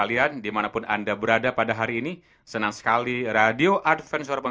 tiada lain di dunia ini dapat kau temukan